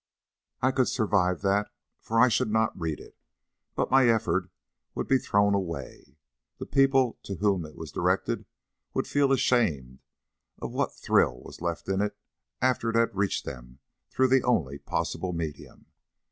I could survive that, for I should not read it, but my effort would be thrown away. The people to whom it was directed would feel ashamed of what thrill was left in it after it had reached them through the only possible medium.